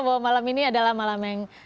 bahwa malam ini adalah malam yang